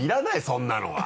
そんなのは。